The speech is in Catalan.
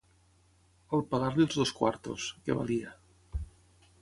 ...al pagar-li els dos quartos, que valia